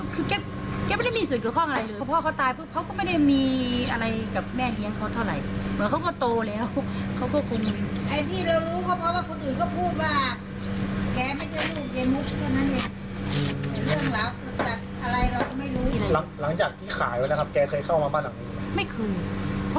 ก็ถ้าพี่มึงคือเขาก็อยู่หลังนั้นอยู่บ้านพวกคู่ตลอดนะ